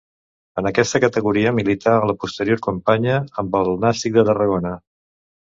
En aquesta categoria milita a la posterior campanya, amb el Nàstic de Tarragona.